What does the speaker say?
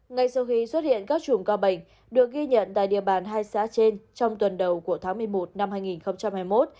ngay sau khi xuất hiện các chùm ca bệnh được ghi nhận tại địa bàn hai xã trên trong tuần đầu của tháng một mươi một năm hai nghìn hai mươi một